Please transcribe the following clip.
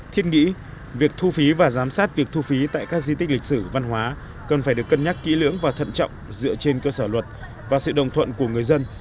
thiết nghĩ việc thu phí và giám sát việc thu phí tại các di tích lịch sử văn hóa cần phải được cân nhắc kỹ lưỡng và thận trọng dựa trên cơ sở luật và sự đồng thuận của người dân